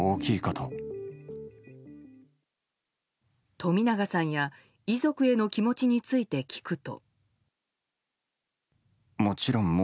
冨永さんや遺族への気持ちについて聞くと。